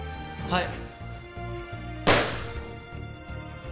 はい。